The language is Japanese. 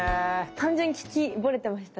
単純に聴きぼれてました。